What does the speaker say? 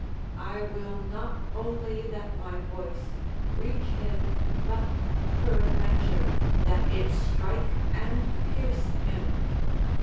I will not only that my voice reach him, but, peradventure, that it strike and pierce him.